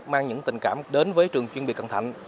mang những tình cảm đến với trường chuyên biệt cần thạnh